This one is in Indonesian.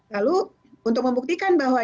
lalu untuk membuktikan bahwa